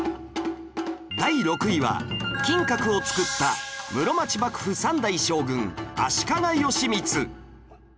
第６位は金閣を造った室町幕府３代将軍足利義満